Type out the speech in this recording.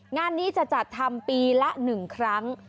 งานนี้จะจัดทำปีละ๑ครั้ง